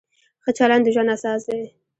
ښه چلند د ژوند اساس دی.